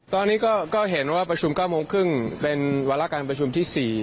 ตอนนี้ก็เห็นว่าประชุม๙๓๐เป็นวัลการณ์ประชุมที่๔